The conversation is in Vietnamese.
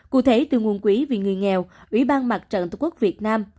cụ thể từ nguồn quỹ vì người nghèo ủy ban mặt trận tổ quốc việt nam